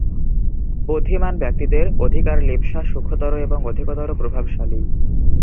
বুদ্ধিমান ব্যক্তিদের অধিকার-লিপ্সা সূক্ষ্মতর এবং অধিকতর প্রভাবশালী।